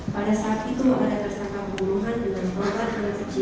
pada saat itu ada tersangka pertunuhan dengan keluarga yang kecil